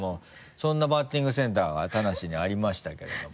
そんなバッティングセンターが田無にありましたけれども。